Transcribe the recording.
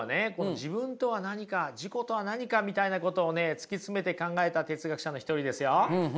自分とは何か自己とは何かみたいなことを突き詰めて考えた哲学者の一人ですよ。